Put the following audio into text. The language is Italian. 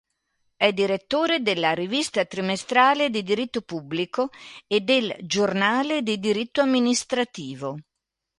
È direttore della "Rivista trimestrale di diritto pubblico" e del "Giornale di diritto amministrativo".